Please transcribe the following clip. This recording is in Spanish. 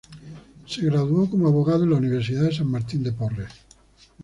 Se graduó como Abogado en la Universidad San Martín de Porres.